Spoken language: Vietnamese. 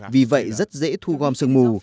vì vậy rất dễ thu gom sương mù